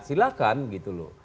silahkan gitu loh